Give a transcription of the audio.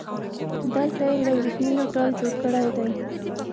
دلته يې له وريښمو ټال جوړ کړی دی